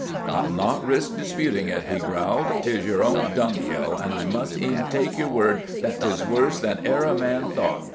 "I'll not risk disputing it," he growled. "'Tis your own dung hill, and I must e'en take your word that 'tis worse than e'er a man thought.